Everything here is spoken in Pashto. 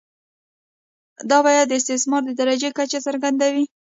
دا بیه د استثمار د درجې کچه څرګندوي